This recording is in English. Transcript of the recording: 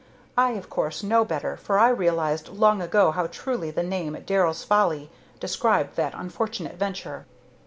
I, of course, know better, for I realized long ago how truly the name 'Darrell's Folly' described that unfortunate venture.